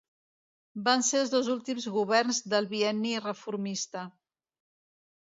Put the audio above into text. Van ser els dos últims governs del bienni reformista.